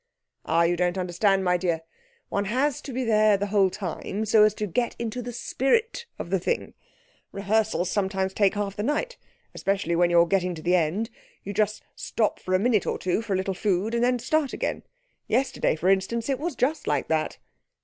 'Ah, you don't understand, my dear. One has to be there the whole time so as to get into the spirit of the thing. Rehearsals sometimes take half the night; especially when you're getting to the end. You just stop for a minute or two for a little food, and then start again. Yesterday, for instance, it was just like that.'